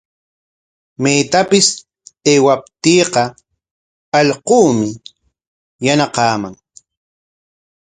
Maytapis aywaptiiqa allquumi yanaqaman.